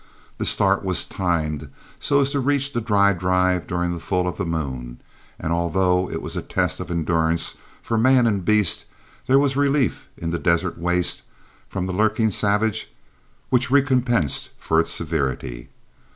The start was timed so as to reach the dry drive during the full of the moon, and although it was a test of endurance for man and beast, there was relief in the desert waste from the lurking savage which recompensed for its severity.